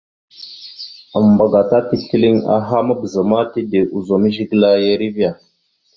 Ambagata tisləliŋ aha mabəza ma, tide ozum Zigəla ya erivea.